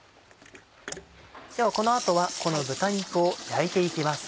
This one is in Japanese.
ではこの後はこの豚肉を焼いて行きます。